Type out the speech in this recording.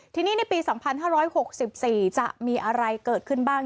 ทีนี้ในปี๒๕๖๔จะมีอะไรเกิดขึ้นบ้าง